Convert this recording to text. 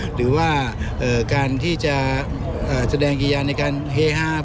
หรือว่าการที่จะแสดงกิยาในการเฮฮา